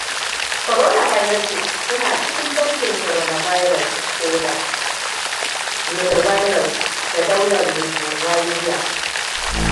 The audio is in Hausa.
Coronaviruses suna cikin dangin Coronaviridae, oda Nidovirales, da daular Riboviria.